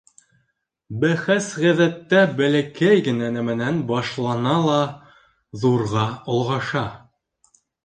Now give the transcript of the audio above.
Бәхәс ғәҙәттә бәләкәй генә нәмәнән башлана ла ҙурға олғаша.